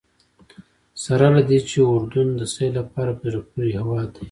سره له دې چې اردن د سیل لپاره په زړه پورې هېواد دی.